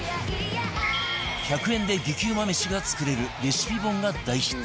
１００円で激うまめしが作れるレシピ本が大ヒット